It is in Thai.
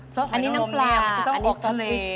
ซอสหอยนังลมนี่มันจะต้องออกทะเล